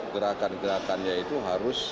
gerakan gerakannya itu harus